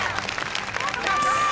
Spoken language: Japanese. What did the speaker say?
やった！